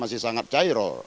masih sangat cair oh